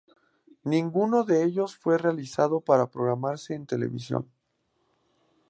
Ninguno de ellos fue realizado para programarse en televisión.